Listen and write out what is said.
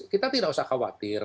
kita tidak usah khawatir